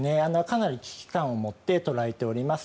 かなり危機感を持って捉えております。